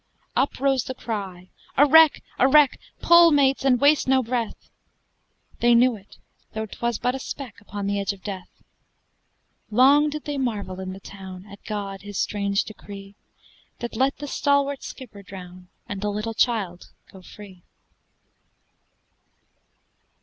Up rose the cry, "A wreck! a wreck! Pull mates, and waste no breath!" They knew it, though 'twas but a speck Upon the edge of death! Long did they marvel in the town At God his strange decree, That let the stalwart skipper drown And the little child go free!